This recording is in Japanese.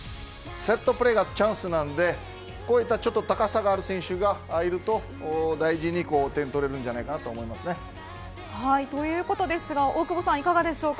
セットプレーがチャンスなんでこういった高さがある選手がいると大事に点取れるんじゃないかとということですが大久保さんいかがでしょうか。